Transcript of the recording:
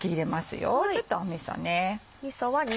ここちょっとみそね。